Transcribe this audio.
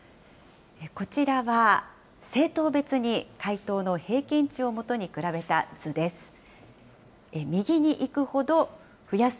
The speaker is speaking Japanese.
こちらは、政党別に回答の平均値を基に比べた図です。